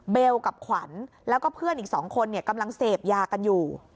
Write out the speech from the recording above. กับขวัญแล้วก็เพื่อนอีก๒คนกำลังเสพยากันอยู่